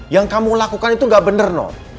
yang kamu lakukan itu gak bener noh